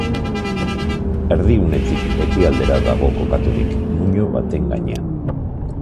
Erdigunetik ekialdera dago kokaturik, muino baten gainean.